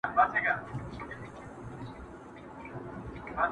بې سرحده یې قدرت او سلطنت دئ!.